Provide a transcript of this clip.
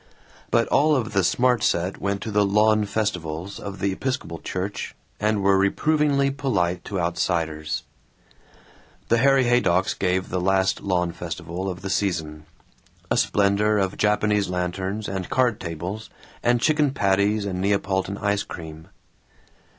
But all of the smart set went to the lawn festivals of the Episcopal Church, and were reprovingly polite to outsiders. The Harry Haydocks gave the last lawn festival of the season; a splendor of Japanese lanterns and card tables and chicken patties and Neapolitan ice cream.